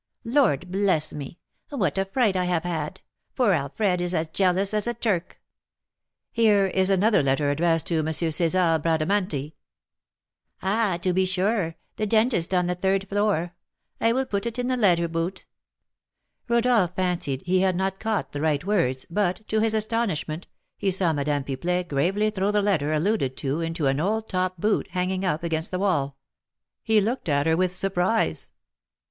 Lord bless me, what a fright I have had! for Alfred is as jealous as a Turk." "Here is another letter addressed to M. César Bradamanti." "Ah! to be sure, the dentist on the third floor. I will put it in the letter boot." Rodolph fancied he had not caught the right words, but, to his astonishment, he saw Madame Pipelet gravely throw the letter alluded to into an old top boot hanging up against the wall. He looked at her with surprise.